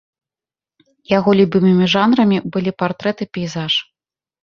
Яго любімымі жанрамі былі партрэт і пейзаж.